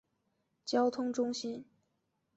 交通中心。